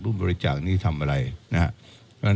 แล้วถ้าคุณชุวิตไม่ออกมาเป็นเรื่องกลุ่มมาเฟียร์จีน